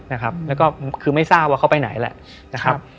แล้วก็คือไม่ทราบว่าเขาไปไหนแหละ